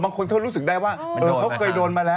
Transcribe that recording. คนเขารู้สึกได้ว่าเขาเคยโดนมาแล้ว